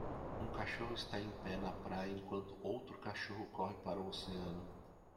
Um cachorro está em pé na praia enquanto outro cachorro corre para o oceano.